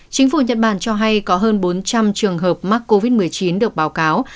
chính phủ nhật bản cho hay có hơn bốn trăm linh trường hợp mắc covid một mươi chín được báo cáo